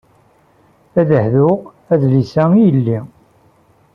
Ad hduɣ adlis-a i yelli.